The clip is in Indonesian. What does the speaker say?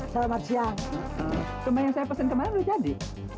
selamat siang kembang saya pesan kemarin udah jadi